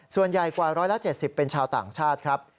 ส่วนใหญ่กว่า๑๗๐เป็นชาวต่างชาติครับ